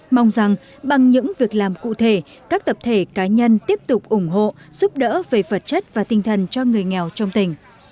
mong rằng bằng những việc làm cụ thể các tập thể cá nhân tiếp tục ủng hộ giúp đỡ về vật chất và tinh thần cho người nghèo trong tỉnh